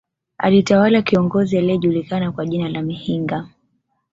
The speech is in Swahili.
Alitawala kiongozi aliyejulikana kwa jina la Mehinga